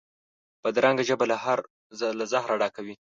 بدرنګه ژبه له زهره ډکه وي